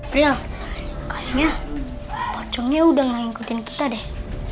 bril kayaknya pocongnya udah gak ikutin kita deh